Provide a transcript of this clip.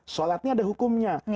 sholatnya ada hukumnya